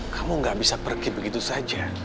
kamu gak bisa pergi begitu saja